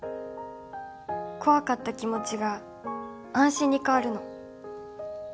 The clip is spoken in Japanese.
怖かった気持ちが安心に変わるの